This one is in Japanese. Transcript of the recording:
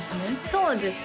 そうですね